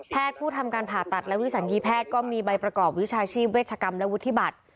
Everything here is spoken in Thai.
ผู้ทำการผ่าตัดและวิสัญญีแพทย์ก็มีใบประกอบวิชาชีพเวชกรรมและวุฒิบัตร